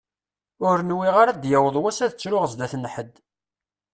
Ur nwiɣ ara ad d-yaweḍ wass ad ttruɣ sdat n ḥedd.